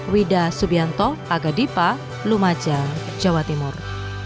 wida subianto aga dipa lumajang jawa timur